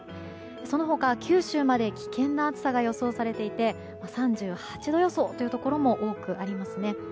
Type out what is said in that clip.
その他、九州まで危険な暑さが予想されていて３８度予想というところも多くありますね。